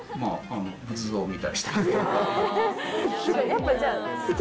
やっぱじゃあ。